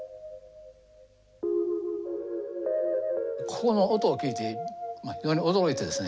この音を聴いて非常に驚いてですね